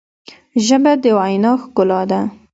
ژبه د وینا ښکلا ده.